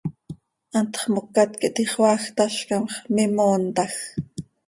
Hantx mocat quih tixoaaj, tazcam x, mimoontaj.